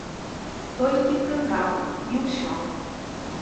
Толькі прыправы, і ўсё.